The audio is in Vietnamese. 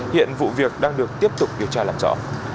hiện vụ việc đang được tiếp tục điều tra làm rõ